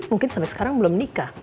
mungkin sampai sekarang belum nikah